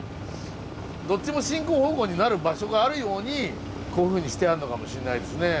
どっちも進行方向になる場所があるようにこういうふうにしてあるのかもしれないですね。